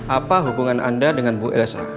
apa hubungan anda dengan bu elsa